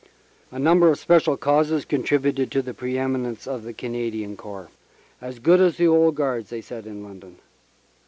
A number of special causes contributed to the pre eminence of the Canadian Corps "As good as the old Guards," they said in London.